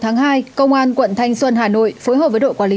ngày hai công an quận thanh xuân hà nội phối hợp với đội quản lý